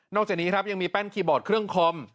นอกจากนี้มีแป้นคีย์บอร์ดเครื่องคอม